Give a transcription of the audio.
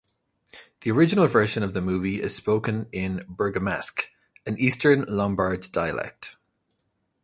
The original version of the movie is spoken in Bergamasque, an Eastern Lombard dialect.